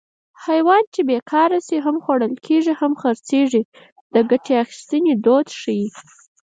حیوان چې بېکاره شي هم خوړل کېږي هم خرڅېږي د ګټې اخیستنې دود ښيي